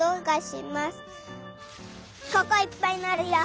ここいっぱいなるよ。